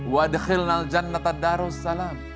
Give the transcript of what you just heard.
wa adkhilna aljannata darussalam